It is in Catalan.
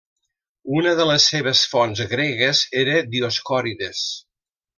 Una de les seves fonts gregues era Dioscòrides.